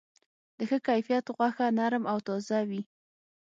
د ښه کیفیت غوښه نرم او تازه وي.